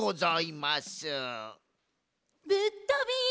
・ぶっとび！